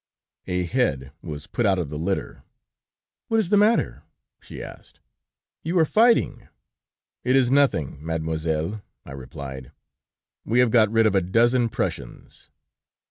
'" "A head was put out of the litter: "'What is the matter?' she asked; 'you are fighting?'" "'It is nothing, Mademoiselle,' I replied; 'we have got rid of a dozen Prussians!'"